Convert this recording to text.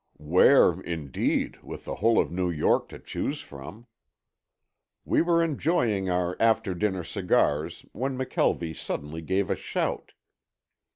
Where, indeed, with the whole of New York to choose from. We were enjoying our after dinner cigars when McKelvie suddenly gave a shout.